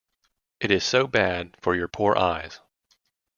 It is so bad for your poor eyes.